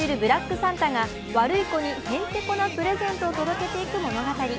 サンタが悪い子にへんてこなプレゼントを届けていく物語。